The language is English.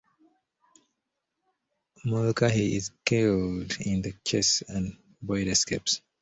Mulcahy is killed in the chase and Boyd escapes.